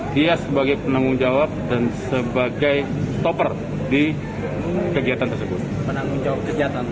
dia sebagai penanggung jawab dan sebagai topper di kegiatan tersebut